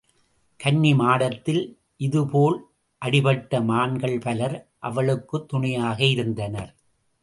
கன்னிமாடத்தில் இதுபோல் அடிபட்ட மான்கள் பலர் அவளுக்குத் துணையாக இருந்தனர்.